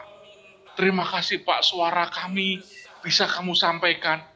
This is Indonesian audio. terima kasih pak suara kami bisa kamu sampaikan